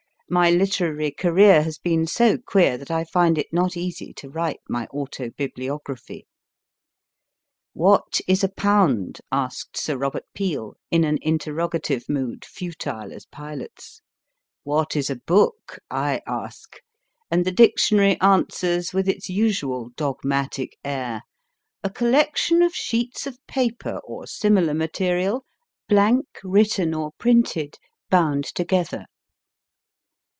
My literary career has been so queer that I find it not easy to write my autobibliography. What is a pound ? asked Sir Robert Peel in an interroga tive mood futile as Pilate s. What is a book ? I ask, and the dictionary answers with its usual dogmatic air, A collec tion of sheets of paper, or similar material, blank, written, or printed, bound together.